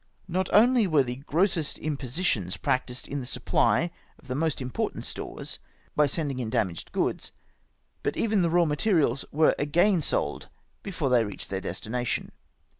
Not only were the grossest impositions practised in the supply of the most important stores, by sending in damaged DOCKYARD PRACTICES. 157 goods, but even the raw materials were again sold before they reached their destination."